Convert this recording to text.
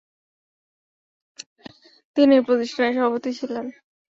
তিনি এই প্রতিষ্ঠানের সভাপতি ছিলেন।